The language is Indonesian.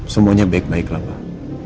semuanya baik baik lah pak